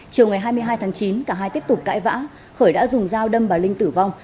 chiều ngày hai mươi hai tháng chín cả hai tiếp tục cãi vã khởi đã dùng dao đâm bà linh tử vong